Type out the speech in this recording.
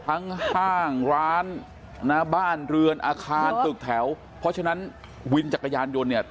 ห้างร้านนะบ้านเรือนอาคารตึกแถวเพราะฉะนั้นวินจักรยานยนต์เนี่ย